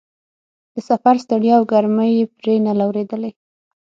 د سفر ستړیا او ګرمۍ یې پرې نه لورېدلې.